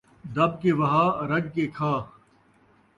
دٻ کے وہا ، رڄ کے کھا